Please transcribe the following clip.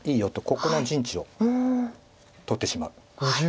ここの陣地を取ってしまう。